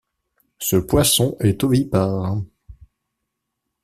Ce poisson est ovipare.